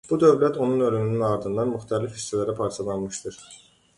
Bu dövlət onun ölümünün ardından müxtəlif hissələrə parçalanmışdır.